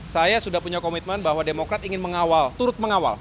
saya sudah punya komitmen bahwa demokrat ingin mengawal turut mengawal